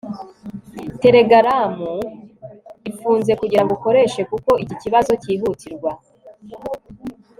Telegaramu ifunze kugirango ukoreshe kuko iki kibazo cyihutirwa